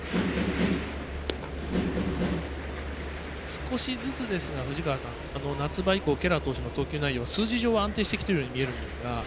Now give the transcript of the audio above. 少しずつですが、夏場以降ケラー投手の投球内容数字上は安定してきているように見えるんですが。